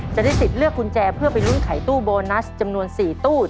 จะได้สิทธิ์เลือกกุญแจเพื่อไปลุ้นไขตู้โบนัสจำนวน๔ตู้